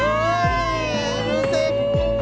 เฮ้ยรู้สึก